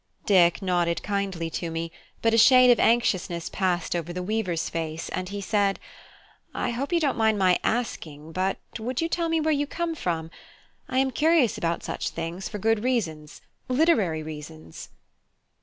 Dick nodded kindly to me; but a shade of anxiousness passed over the weaver's face, and he said "I hope you don't mind my asking, but would you tell me where you come from? I am curious about such things for good reasons, literary reasons."